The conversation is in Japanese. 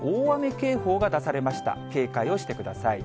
警戒をしてください。